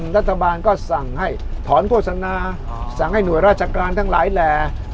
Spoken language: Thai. รัฐบาลก็สั่งให้ถอนโฆษณาสั่งให้หน่วยราชการทั้งหลายแหล่